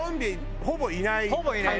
ほぼいないね。